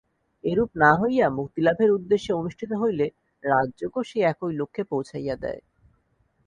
এরূপ না হইয়া মুক্তিলাভের উদ্দেশ্যে অনুষ্ঠিত হইলে রাজযোগও সেই একই লক্ষ্যে পৌঁছাইয়া দেয়।